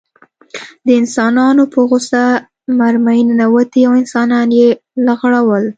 د انسانانو په غوښه مرمۍ ننوتې او انسانان یې لغړول